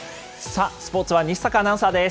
さあ、スポーツは西阪アナウンサーです。